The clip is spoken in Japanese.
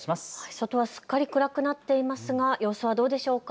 外はすっかり暗くなっていますが様子はどうでしょうか。